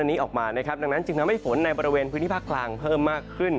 อันนี้ออกมานะครับดังนั้นจึงทำให้ฝนในบริเวณพื้นที่ภาคกลางเพิ่มมากขึ้น